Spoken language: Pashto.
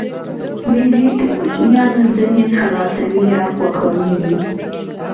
مېلې د کوچنيانو ذهن خلاصوي او خوښوي یې.